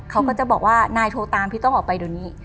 เขาก็จะบอกว่านายโทรตามพี่ต้องออกไปเดี๋ยวนี้